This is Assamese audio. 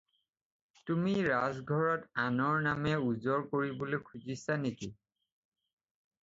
তুমি ৰাজঘৰত আনৰ নামে ওজৰ কৰিবলৈ খুজিছা নে কি?